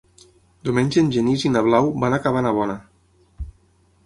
Diumenge en Genís i na Blau van a Cabanabona.